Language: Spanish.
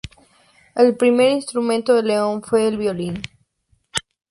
El primer instrumento de Leon fue el violín.